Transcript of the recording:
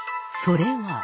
それは。